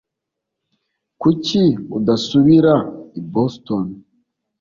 Kuki udasubira i Boston?